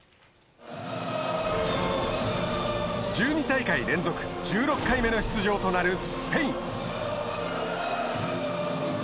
１２大会連続１６回目の出場となるスペイン。